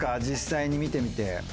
実際に見てみて。